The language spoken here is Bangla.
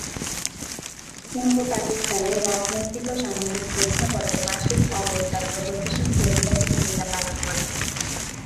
পূর্ব পাকিস্তানের রাজনৈতিক ও সামাজিক প্রেক্ষাপটে মাসিক ‘অগত্যা’ প্রগতিশীল প্রতিবাদী ভূমিকা পালন করে।